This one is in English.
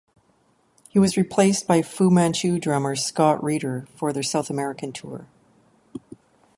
He was replaced by Fu Manchu drummer Scott Reeder for their South American tour.